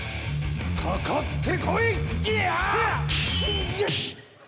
かかってこい！